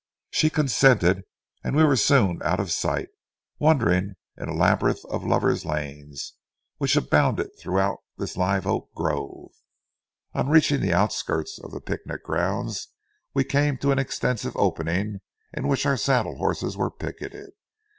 She consented, and we were soon out of sight, wandering in a labyrinth of lover's lanes which abounded throughout this live oak grove. On reaching the outskirts of the picnic grounds, we came to an extensive opening in which our saddle horses were picketed.